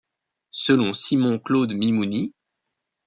Selon Simon Claude Mimouni,